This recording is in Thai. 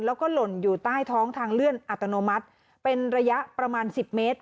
แล้วก็หล่นอยู่ใต้ท้องทางเลื่อนอัตโนมัติเป็นระยะประมาณ๑๐เมตร